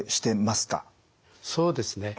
そうですね。